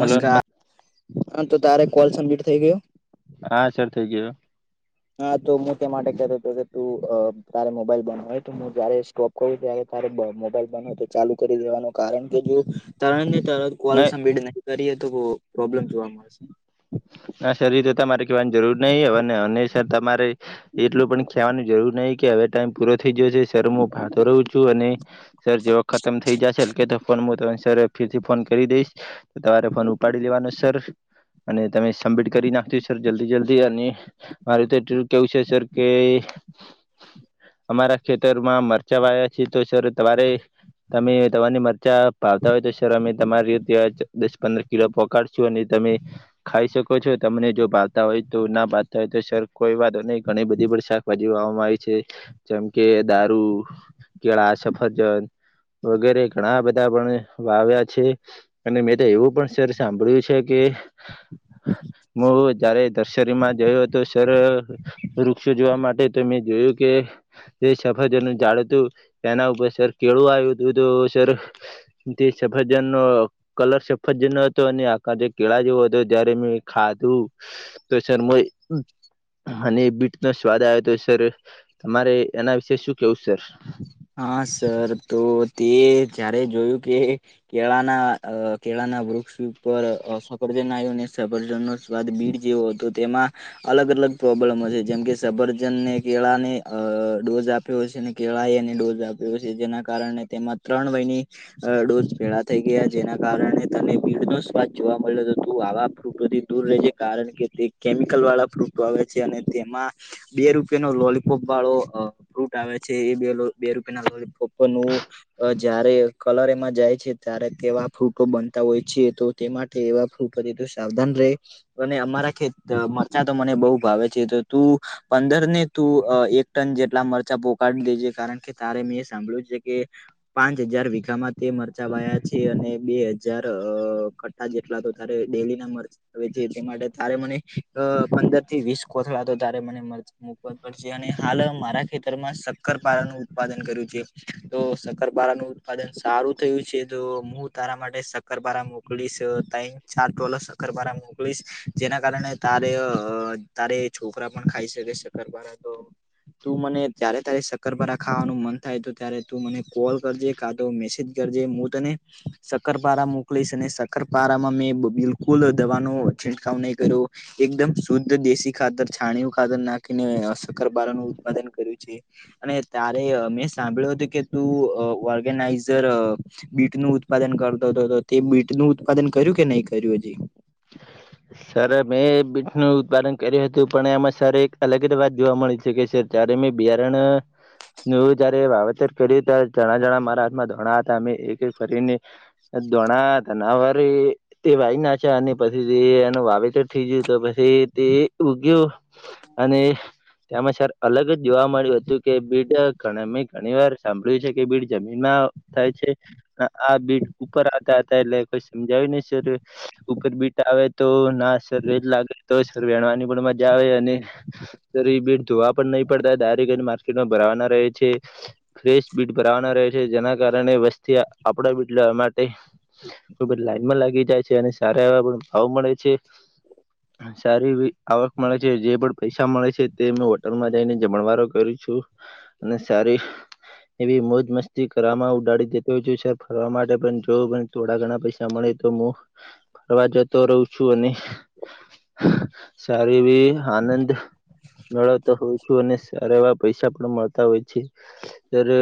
Hello નમ હા તો તારે કોલ સમિટ થઈ ગયું હા સર થઈ ગયયો હા તો હું તે માટે કતો હતો કે તું તારે મોબાઈલ બનવય તો હું જારે સ્ટોપ કો ત્યારે તારે મોબાઈલ બન તો ચાલુ કરી દેવાનો કારણ કે જો તરણ ને તરણ કોલ નહી સમિટ નહી કરીએ તો બ પ્રોબ્લેમ જોવા મળશે ના સર એ તો તમારે કહેવાની જરૂર નહીિ હ ન. સર તમારે એટલું પણ ખાવાનું જરૂર નહીિ કે હવે ટાઈમ પૂરો થઈ ગયો છે. સર હું ભાતો રહું છું અને સર જેવા ખતમ થઇ જશે એ કે તો ફોન હું ત સર ફીરથી ફોન કરી દઈશ તો તમારે ફોન ઉપાડી લેવાનો સર અને તમે કમ્પ્લીટ કરી નાખતી સર જલ્દી જલ્દી અને મારે તો એટલલું કેવું છે. સર કે અમારા ખેતરમાં મરચા વાયા છે. તો સર તમારે તમે તમારીની મરચા પાવતા હોય તો સર અમે તમારીતે દસ પંદર ક્ષીર પકડડી છું અનેને તમે ખાઈ શકો છો તમને જો ભાતા હોય તો ના ભાવતા હોય તો સર કોઈ વાત નહી ઘણી બધી પણ શાકભાજી વાવામાં આવી છે, ચમકે દારૂ કેળા સફરજન વગેરે ઘણા બધા પણ વાવ્યા છે, અને મેં તો એવું પણ શર સાંભળ્યું છે કે હું જયારે દર્શરીમાં જોયો હતો સર વૃક્ષો જોવા માટે તો મેં જોયું કે જે સફરજન જાળ હતું તેના ઉપર સર કેળું આવ્યું હતું તો સર તે સફરજન નો કલર સફરજન ન હતો અને આખ જે કેળા જેવો હતો જયારે મેં ખાધું તો સર અને બીટ નો સ્વાદ આવે તો સર તમારે એના વિશે શું કેવું સર, હા સર તો તે જ્યારે જોયું કે કેળાના કેળાના વૃક્ષ ઉપર અસકજનુ સજ બીડ જેવો હતો તેમાં અલગ અલગ પ્રોબ્લેમ છે, જેમ કે સબરજનને કેળા ને અ ડોઝ આપ્યો છે, અને કેળા ડોઝ આપ્યો છે, જેના કારણે તેમાં ત્રણ વયની ડોઝ ભેળા થઈ ગયા જેના કારણે તને ભીડ નો સ્વાદ જોવા મળ્યો હતો આવા ફ્રુટ તો દૂર રહે કારણ કે તે કેમિકલ વાળા ફ્રૂટો આવે છે, અને તેમાં બે રૂપિયા નો લોલીપોપ વાળો ફ્રૂટ આવે છે, એ બે બે રૂપિયા ના પોપરનું અ જયારે કલર એમાં જાય છે, ત્યારે તેવા ફોટો બનતા હોય છે, તો તે માટે એવા ફૂપતિ તો સાવધાન રહે, અને અમારા ખે મરચા તો મને બઉુ ભાવે છે, તો તું પંદર ને તું એક ટન જેટલા મરચા પોકાડી દેજે કારણ કે તારે મેં એ સાંભળ્યું છે, કે પાંચ હજાર વીઘામાં તે મરચાવાયા છે, અને બે હજાર જેટલા તો તારે ડેલી ના મરચા હવે તે માટે તારે મને પંદર થી વીસ કોથળા તો તારે મને મરચા હું પણઅને મરચાહાલ મારા ખેતરમાં શક્કર પાલને ઉત્પાદન ર કરું છું, તો શક્કરપારા નું ઉત્પાદન સારું થયું છે, તો મુ તારા માટે કરબારા મોકલીશ તા ચાર ટોલો પરબાર મોકલીશ જેના કારણે તારે તારે છોકરા પણ ખાઈ શકે છે, શક્કરપારા તું મને ત્યારે ત્યારે સક્કર ભરા ખાવાનું મન થાય તો ત્યારે તું મને કોલ કરજે કા તો મેસેજ કરજે હું તને સકરપારા મોકલીશ અને સકરપારામાં મેં બિલકુલ દવાનો છિંટકાવ નહીં કર્યો. એકદમ શુદ્ધ દેશી ખાતર છાણીયું ખાતર નાખીને શકરબારાનુંઉત્પાદન કર્યું છે, અને ત્યારે મેં સાંભળ્યું હતું કે તું ઓર્ગેનાઈઝર બીટ ન ઉત્પાદન કરતો હતો તે બીટ નું ઉત્પાદન કર્યું કે નહી કર્યું હજી. સર મેં બીટનું ઉત્પાદન કર્યું હતું પણ એમાં સર એક અલગ જ વાત જોવા મળી છે, કે સર ચારેમે બિયારણ નવું જયારે વાવેતર કર્યું ત્યારે જણા જણા મારા હાથમાં ધોણા હતા અમે એક એક ફરીન [unintelligible] વાવેતર થઈ ગયું તો પછી તે ઉગયો અને તેમાં સર અલગ જ જોવા મળ્યું હતું કે બીડ મે ઘણી વાર સાંભળ્યું છે, કે બીડ જમીનમાં થાય છે, આ બીટ ઉપર આવતા હતા એટલે કોઈ સમજાવી નઈ શરૂ. ઉપર બીટ આવે તો ના સર વેજ લાગે તો સર વેણવાની પણ મજા આવે અને ત એ બેટ ધોવા પણ નહી પડતા ડાયરેક્ટ એને માર્કેટમાં ભરાવાના રહે છે, ફ્રેશ બીટ ભરાવાના રહે છે, જેના કારણે વસ્તી આપણા બીટ લ માટે લોકો બધા લાઈનમાં લાગી જાય છે અને સારા એવા પણ ભાવ મળે છે. [inaudible] સારી એવી આવક મળે છે જે પણ પૈસા મળે છે તેં હોટલમાં જઈને જમણવારો કરુ છું. અને સારી એવી મોજ મસ્તી કરવામાં ઉડાડી દેતો હોય સર ફરવા માટે પણ જોવું પણ થોડા ઘણા પૈસા મળે તો હું ફરવા જતો રહું છું અને સારી એવી આનંદ મેળવતો હોય છું અને સારા એવા પૈસા પણ મળતા હોય છે. સર અ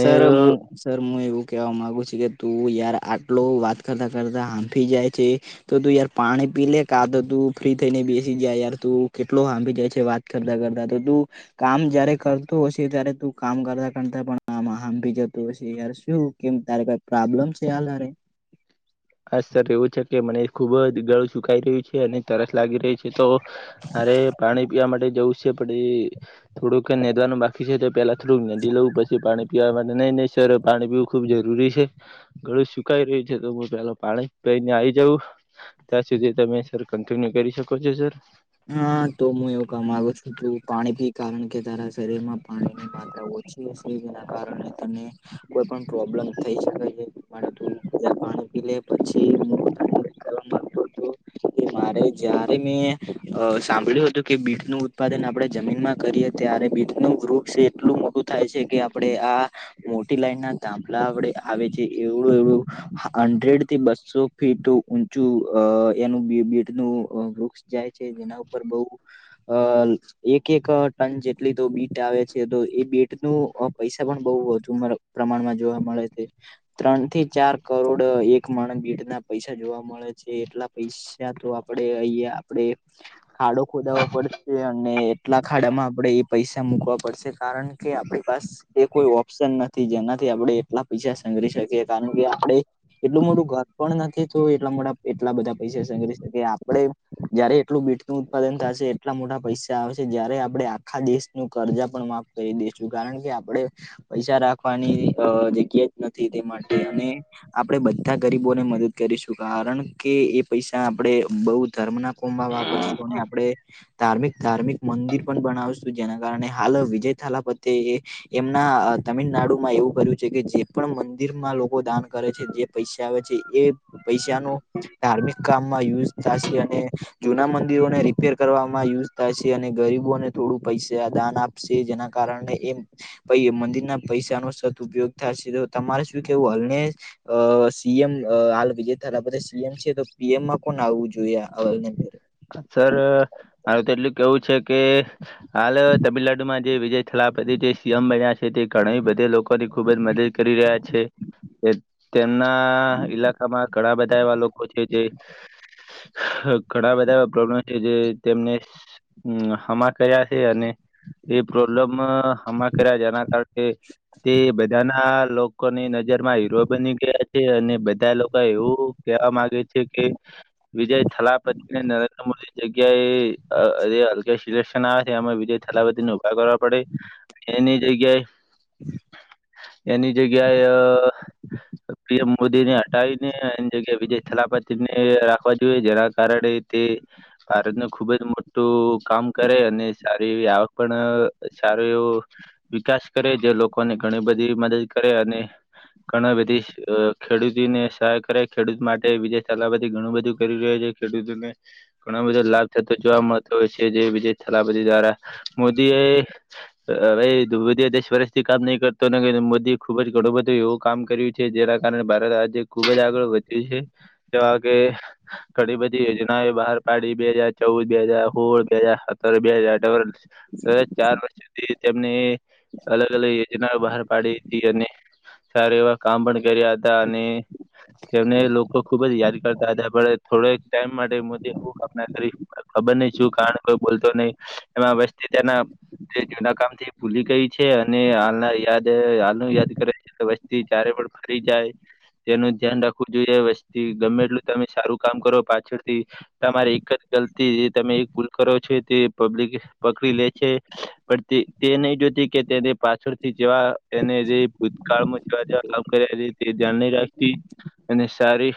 સર અ મુું સર હું એવું કેવા માગુ છું કે તું યાર આટલો વાત કરતા કરતા હાંફી જાય છે. તો તું યાર પાણી પી લે કા તો તું ફ્રી થઈને બેસી જાય યાર તું કેટલો હાંફી જાય છે વાત કરતા કરતા તો તું કામ જયારે કરતો હશે ત્યારે તું કામ કરતા કરતા પણ- આમાં હાભી જતું હશે યાર શું કેમ તારે કઈ પ્રોબ્લેમ છે. હાલ હારે હા સર એવું છે કે મને ખુબ જ ગળું સુકાઈ રહ્યું છે અને તરસ લાગી રહી છે તો મારે પાણી પીવા માટે જવું છે. પણ એ થોડુંક નંદવાનું બાકી છે તો પેલા થોડક નાંદી લઉ પછી પાણી પીવા માટે નહી નઈ સર પાણી પીવું ખુબ જરૂરી છે ગળું સુકાઈ રહ્યું છે તો બી પેલા પાણી પાહીને આવી જવું ત્યાં સુધી તમે સર કન્ટિન્યુ કરી શકો છો સર હા તો હું એવું કામ આવુ છું તું પાણી પી કારણ કે તારા શરીર માં પાણીની માત્રા ઓ કારણે તને કોઈ પણ પ્રોબ્લેમ થઈ શકે છે. તું પાણી પી લે પછી મુ તને [unintelligible] એ મારે જ્યારે મે અ સાંભળ્યું હતું કે બીટ નું ઉત્પાદન આપણે જમીનમાં કરીએ ત્યારે બીટ નું વૃક્ષ એટલું બધું થાય છે કે આપડે આ મોટી લાઈન ના ધાભલા વડે આવે છે એવડું એવડું હંડ્રેડ થી બસો ફીટ ઊંચું અ એનું બીટ નુ વૃક્ષ જાય છે જેના ઉપર બહું હલ એક એક ટન જેટલી તો બીટ આવે છે તો એ બીટ નુ પૈસા પણ બઉ વધુ મતલબ પ્રમાણમાં જોવા મળે છે. ત્રણ થી ચાર કરોડ એક માણસ બીટ ના પૈસા જોવા મળે છે એટલા પૈસા પૈસા તો આપણેે અહિયા આપડે ખાડો ખોદાવો પડશે અને એટલા ખાડામાં આપડણે એ પૈસા મૂકવા પડશે કારણ કે આપડી પાસ એ કોઈ ઓપ્શન નથી જેનાથી આપડે એટલા પૈસા સંગલી શકીએ કારણ કે આપડે એટલું મોટું ઘર પણ નથી તો એટલા મોટા એટલા બધા પૈસા સંગરી શકે આપડે જયારે એટલું બીટ નું ઉત્પાદન થશે એટલા મોટા પૈસા આવસે જયારે આપડે આખા દેશનું કર્જા પણ માફ કહી દઈશું કારણ કે આપડે પૈસા રાખવાની અ જગ્યા જ નથી તે માટે અને આપણે બધા ગરીબોને મદદ કરીશું કારણ કે એ પૈસા આપણે બહુ ધર્મ ના લોકોમા વાપરશું અને આપડે ધાર્મિક ધાર્મિક મંદિર પણ બનાવશું જેના કારણે હાલ વિજય થાલાપતે એ એમના તમિલનાડુમાં એવું કર્યું છે કે જે પણ મંદિરમાં લોકો દાન કરે છે જે પૈસા આવે છે એ પૈસા નુ ધાર્મિક કામમાં યુઝ થાશે અને જૂના મંદિરોને રિપેર કરવામાં યુઝ થાય છે અને ગરીબોને થોડું પૈસા આ દાન આપશે જેના કારણે એમ પછી મંદિરના પૈસા નો સદ ઉપયોગ થાશે તો તમારે શું કેવું હલને અ પીએમ હાલ વિજય થાલાંપતિ સી એમ છે તો પી એમ માં કોણ આવવું જોઈએ અ સર અ મારે તો એટલું કેવું છે કે હાલ તમિલનાડુમાં જે વિજય થલાપતિ જે સી એમ બન્યા છે તે ઘણા બધે લોકોની ખુબ જ મદદ કરી રહ્યા છે તેમના ઈલાકામાં ઘણા બધા એવા લોકો છે જે ઘણા બધ પ્રોબ્લેમ છે જે તેમને હમ્મ હમા કર્યા છે અને એ પ્રોબ્લેમ હમા કર્યા જેના કારણે, તે બધાના લોક લોકોની નજર માં હીરો બની ગયા છે. અને બધા લોકો એવું કેવા માંગે છે કે વિજય થલાપતિ નરેન્દ્ર મોદી જગ્યાએ અ જે અગલે સિલેક્શન આવે છે. એમાં વિજય થલાપતિ ને ઉભા કરવા પડે. એની જગ્યાએ એની જગ્યાએ અ પીએમ મોદી ને હટાવીને એ જગ્યાએ વિજય થલાપતિ ને રાખવા જોઈએ જેના કારણે તે ભારતનું ખુબ જ મોટું કામ કરે અને સારી એવી આવક પણ સારું એવું વિકાસ કરે જે લોકોને ઘણી બધી મદદ કરે અને ઘણા વિદેશ ખેડૂતીને સહાય કરે ખેડૂત માટે વિજય થાલાંપતી ચલાવ બધી ઘણું બધું કરી રહ્યો છે. ખેડૂતોને. ઘણ બધો લાભ થતો જોવા મળતો હોય છે. જે વિજય થેલાપતિ દ્વારા મોદી એ અરે મોદી દસ વર્ષથી કામ નહી કરતો ન મોદીએ ખુબ જ ઘણું બધો એવું કામ કર્યું છે. જેના કારણે ભારત રાજ્ય ખુબ જ આગળ વધ્યું છે. તેવા કેે ઘણી બધી યોજના યોજના એ બહાર પાડી બે હાજર ચૌદ, બે હાજાર સોળ, બે હાજાર સત્તર, બે હજાર અઢર સતત ચાર વર્ષ સુધી તેમને અલગ-અલગ યોજનાઓ બહાર પાડી હતી. અને સાર એવા કામ પણ કર્યા હતા અને તેમને લોકો ખુબ જ યાદ કરતા હતા પણ થોડોક ટાઈમ માટે મોદીએ ખૂબ અપના કરી ખબર નહ છું કારણ કોઈ બોલતો નહી એમાં વસ્તી તેના જે જુના કામ થી ભૂલી ગઈ છે અને હાલના યાદ હાલનું યાદ કરે. વસ્તી જારે પણ ફરી જાય, તેનું ધ્યાન રાખવું જોઈએ વસ્તી ગમે એટલું તમે સારું કામ કરો પાછળ થી. તમારી એક જ ગલતી તમે એક ભૂલ કરો છો તે પબ્લિક પકડી લે છે પણ તે એ નહી જોતી કે તેને પાછળથી જવા તેને જે ભૂતકાળમાં જવા જ લ કર્યા છે તે ધ્યાન ન રાખતી અને સારી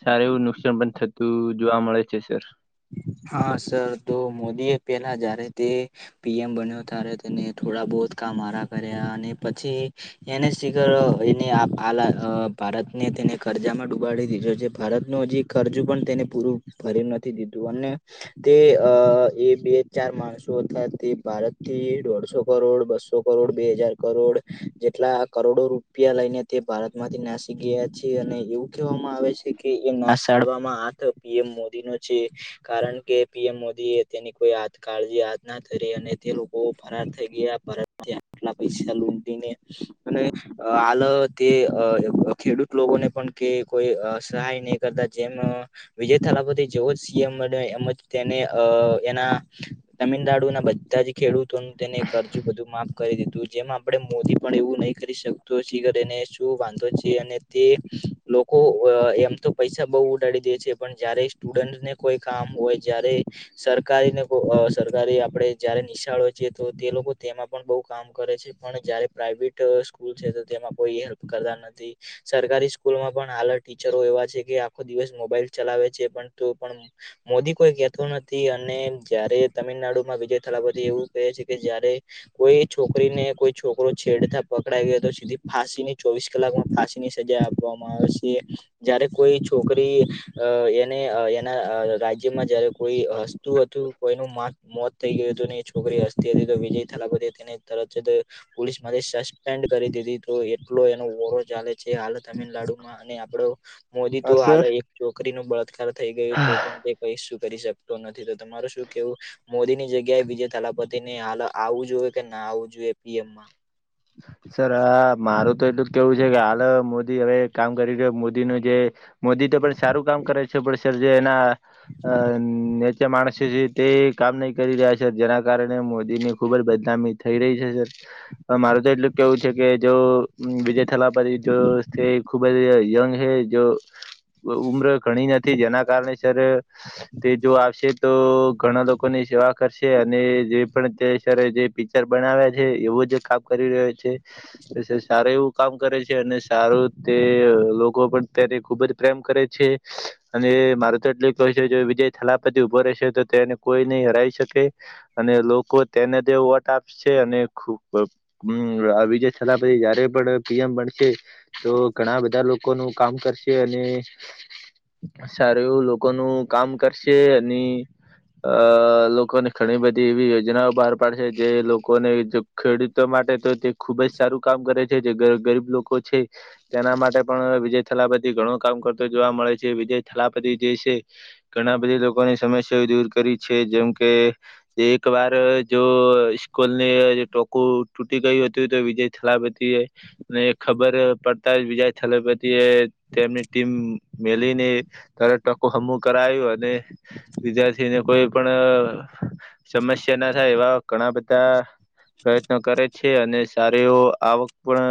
સાર એવું નુકસાન પણ થતું જોવા મળે છે સર. હા સર તો મોદી એ પેલા જયારે તે પીએમ બન્યો ત્યારે તેને થોડા બહોત કામ મારા કર્યા અને પછી એને શિખર એને આ ભારતને તેને કરજામાં ડૂબાડી દીધો છે ભારતનું હજી કરરજુ પણ તેને પૂરું ભર્યું નથી દીધું અને તે અ એ બે ચાર માણસો હતા તે ભારત થી દોઢસો કરોડ બસો કરોડ બે હજાર કરોડ જેટલા કરોડો રૂપિયા લઈને તે ભારત માંથી નાસી ગયા છે અને એવું- કહેવામાં આવે છે કે એ નાસાડવામાં આતો પીએમ મોદી નો જ છે. કારણ કે પીએમ મોદી એ તેની કોઈ કાળજી હાત ના કરી અને તે લોકો ફરાર થઈ ગયા આટલા પૈસા લોન લઈને અને અ આાલ તે ખેડૂત લોકોને પણ કે કોઈ સહાય નહી કરતા જેમ વિજય થાલાપતિ જેવો જ સીએમ એમજ તેને એના તમિલનાડુ ના બધા જ ખેડૂત તો હું તેને એક અરજુ બધું માફ કરી દીધું જેમાં આપણે મોદી પણ એવું નહી કરી શકતો છીને શું વાંધો છે? અને તે લોકો એમ તો પૈસા બહુ ઉડાડી દે છે પણ જયારે સ્ટુડન્ટ ને કોઈ કામ હોય જયારે સરકારી ને કો સરકારી આપણેે જયારે નિશાળ હો છીએ તો તે લોકો તેમાં પણ બહુ કામ કરે છે. પણ જયારે પ્રાઈવેટ સ્કૂલ છે તો તેમાં કોઈ હેલ્પ કરતા નથી. સરકારી સ્કૂલમાં પણ હાલ ટીચરો એવા છે કે આખો દિવસ મોબાઈલ ચલાવે છે પણ તો પણ- મોદી કોઈ કેહેતો નથી અને જયારે તમિલનાડુમાં વિજય થેલાપતિ એવું કહે છે કે જયારે કોઈ છોકરીને કોઈ છોકરો છેડતા પકડાઈ ગયો તો સીધી ફાંસી ની ચોઈસ લાકમાં ફાસીની સજા આપવામાં આવશે. જયારે કોઈ છોકરી અ એને એના અ રાજ્યમાં જયારે કોઈ હસ્તુ હતું કોઈનું માગ મોત થઈ ગયું હતું ને એ છોકરી હસતી હતી તો વિજય થેલાપતી હતી તેને તરત જ પોલીસ થી સસ્પેન્ડ કરી દીધી તું એટલો એનો ઓરો ચાલે છે હાલ તમિલનાડુમાં અને આપડો મોદી તો હા હાલ સર એક છોકરી નો બળાત્કાર થઈ ગયો કઈ શું કરી શકતો નથી તો તમાર શું કેવું?? મોદીની જગ્યાએ વિજય થલાપતિને હાલ આવું જોઈએ કે ના આવવું જોઈએ પીએમમાં સર મારું તો એટલું જ કેવું છે કે હાલ મોદી હવે કામ કરી રહ્યો મોદીનું જે મોદી તો પણ સારું કામ કરે છે પણ સર જે એના અ નેચે માણસ છે તે કામ નહી કરી રહ્યા છે જેના કારણે મોદીની ખુબ જ બદનામી થઈ રહી છે સર મારું તો એટલું કેવું છે કે જો વિજય થેલાપતી જો ખુબ જ યંગ હે જો ઉંમર ઘણી નથી જેના કારણે સર તે જો આવશે તો ઘણા લોકોની સેવા કરશે અને જે પણ જે પિક્ચર બનાવ્યા છે એવું જે કામ કરી રહ્યો છે સારું એવું કામ કરે છે અને સારું તે લોકો પણ તેને ખુબ જ પ્રેમ કરે છે. અને માર તો એટલે કહેય છે જો વિજય થેલાપતિ ઊભો રહેશે તો તેને કોઈ નહી હરાવી શકે. અને લોકો તેને તે વોટ આપશે અને ખૂબ આ વિજય થેલાપતી પછી જયારે પણ પીએમ બનશે તો ઘણા બધા લોકોનું કામ કરશે અને સારું એવું લોકોનું કામ કરશે અને અ લોકોને ઘણી બધી એવી યોજનાઓ બહાર પાડશે જે લોકોને ખેડૂતો માટે તો તે ખુબ જ સારું કામ કરે છે જે ગરીબ લોકો છે. તેના માટે પણ વિજય થલાપતિ ઘણું કામ કરતો જોવા મળે છે વિજય થલાપતિ જે છે. ઘણા બધી લોકોની સમસ્યાઓ દૂર કરી છે જેમ કે એક વાર જો સ્કૂલ ને ટોકૂ ગયું હતું તો વિજય થલાપતી અને ખબર પડતા જ વિજય થલપતિ એ તેમની ટીમ મેલીને તારે ટકો હમ્મું કરાયું અને વિદ્યાર્થીને કોઈ પણ સમસ્યા ના થાય એવા ઘણા બધા પ્રયત્ન કરે છે અને સારી એવો આવક પણ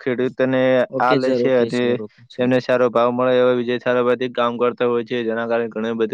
ખેડૂતને આ ઓકે લે સર છે ઓકે અને સર ઓકે સર તેને સારો ભાવ મળે એવા વિજયથાલાપથી કામ કરતો હોય છે જેના કારણે ઘણી બધું